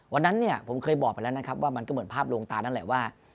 วันนั้นเนี่ยผมเคยบอกไปแล้วนะครับว่ามันก็เหมือนภาพลวงตานั่นแหละว่า